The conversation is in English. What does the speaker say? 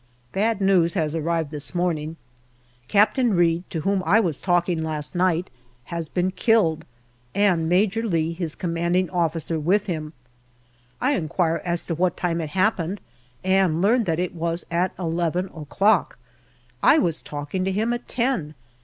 Bad news has arrived this morning. Captain Reid, to whom I was talking last night, has been killed, and Major Lee, his C.O., with him. I inquired as to what time it happened, and learn that it was at eleven o'clock. I was talking to him at ten.